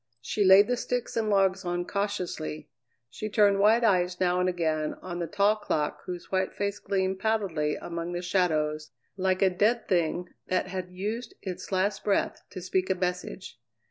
She laid the sticks and logs on cautiously; she turned wide eyes now and again on the tall clock whose white face gleamed pallidly among the shadows like a dead thing that had used its last breath to speak a message.